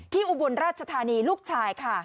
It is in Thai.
ที่อุบุญราชธานีลูกชายค่ะ